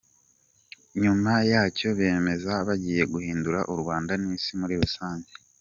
com nyuma yacyo bemeza ko bagiye guhindura u Rwanda n'isi muri rusange.